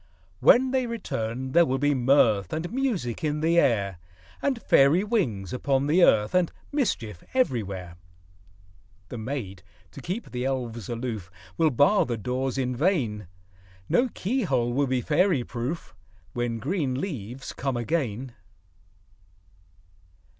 When they return, there will be mirth And music in the air, And fairy wings upon the earth, And mischief everywhere. The maids, to keep the elves aloof, Will bar the doors in vain ; No key hole will be fairy proof, When green leaves come again.